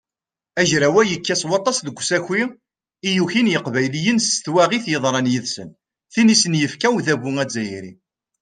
Agraw-a yekka s waṭas deg usaki i yukin yiqbayliyen s twaɣit yeḍran yid-sen, tin i sen-yefka udabu azzayri.